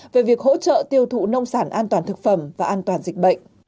về việc hỗ trợ tiêu thụ nông sản an toàn thực phẩm và an toàn dịch bệnh